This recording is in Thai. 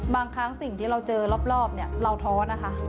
บางครั้งสิ่งที่เราเจอรอบเนี่ยเราท้อนะคะ